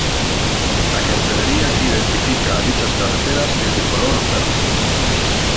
La cartelería que identifica a dichas carreteras es de color verde.